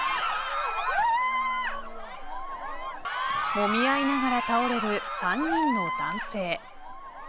もみ合いながら倒れる３人の男性。